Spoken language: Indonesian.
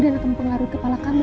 dan akan mengaruhi kepala kamu